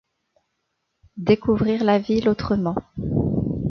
Découvrir la ville autrement.